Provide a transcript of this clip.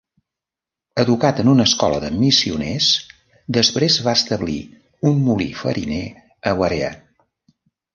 Educat en una escola de missioners, després va establir un molí fariner a Warea.